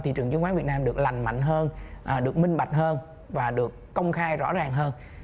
thị trường chứng khoán việt nam được lành mạnh hơn được minh bạch hơn và được công khai rõ ràng hơn